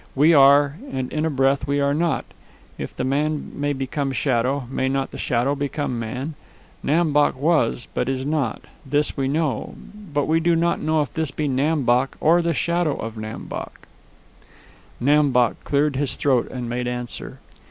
"We are, and in a breath we are not. If the man may become shadow, may not the shadow become man? Nam Bok was, but is not. This we know, but we do not know if this be Nam Bok or the shadow of Nam Bok." Nam Bok cleared his throat and made answer.